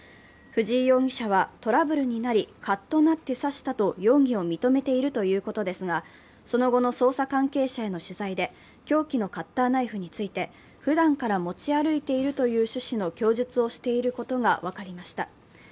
藤井容疑者はトラブルになりかっとなって刺したと容疑を認めているということですがその後の捜査関係者への取材で凶器のカッターナイフについてふだんから持ち歩いているという趣旨の供述をしていることが分かりました。